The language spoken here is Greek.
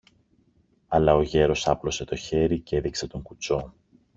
Αλλά ο γέρος άπλωσε το χέρι κι έδειξε τον κουτσό.